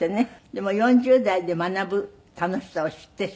でも４０代で学ぶ楽しさを知ってしまい。